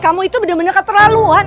kamu itu bener bener keterlaluan